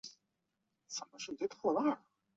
无法以佃农身分参加农保